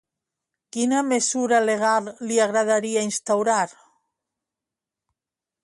Quina mesura legal li agradaria instaurar?